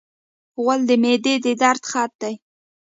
غول د معدې د درد خط دی.